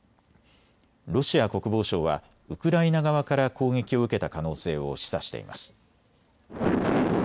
ロシア国防省はウクライナ側から攻撃を受けた可能性を示唆しています。